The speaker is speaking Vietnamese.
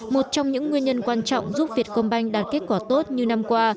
một trong những nguyên nhân quan trọng giúp việt công banh đạt kết quả tốt như năm qua